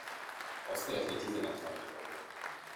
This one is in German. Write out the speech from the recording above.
Ausgerechnet diese Nacht haben wir Neumond.